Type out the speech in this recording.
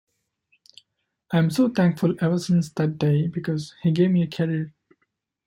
I'm so thankful ever since that day because he gave me a career.